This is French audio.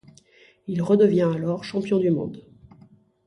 Il redevient alors champion du monde.